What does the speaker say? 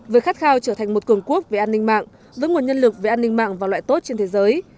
với khát khao trở thành một cường quốc về an ninh mạng với nguồn nhân lực về an ninh mạng và loại tốt trên thế giới